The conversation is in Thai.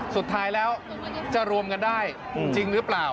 สุดท้ายแล้วจะรวมกันได้จริงหรือเปล่า